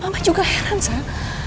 mama juga heran zal